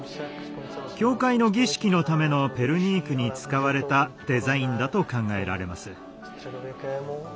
教会の儀式のためのペルニークに使われたデザインだと考えられます。